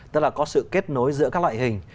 tức là có sự kết nối giữa các loại hình